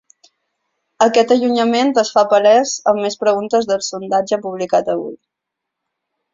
Aquest allunyament es fa palès en més preguntes del sondatge publicat avui.